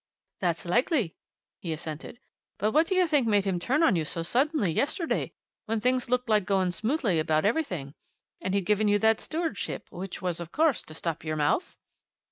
"That's likely," he assented. "But what do you think made him turn on you so suddenly, yesterday, when things looked like going smoothly about everything, and he'd given you that stewardship which was, of course, to stop your mouth?"